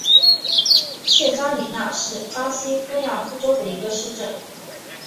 切扎里娜是巴西戈亚斯州的一个市镇。